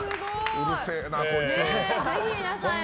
うるせえな、こいつ。